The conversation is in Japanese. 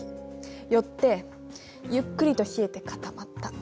よってゆっくりと冷えて固まった。